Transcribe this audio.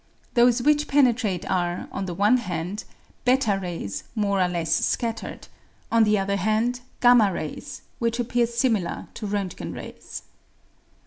Those which penetrate are, on the one hand, |8 rays more or less scattered ; on the other hand, > rays, which appear similar to Rontgen rays.